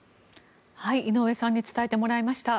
井上さんに伝えてもらいました。